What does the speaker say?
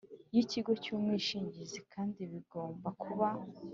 Y ikigo cy umwishingizi kandi bigomba kuba